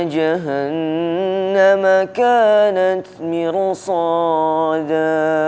inna jahannama kanat mirsada